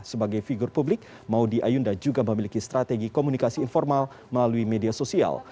sebagai figur publik maudie ayunda juga memiliki strategi komunikasi informal melalui media sosial